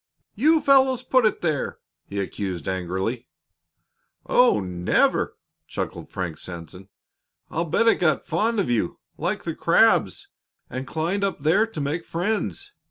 "You fellows put it there!" he accused angrily. "Oh, never!" chuckled Frank Sanson. "I'll bet it got fond of you, like the crabs, and climbed up there to make friends.